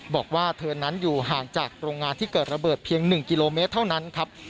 บอกว่าเธอนั้นอยู่ห่างจากโรงงานที่เกิดระเบิดเพียง๑กิโลเมตรเท่านั้นครับ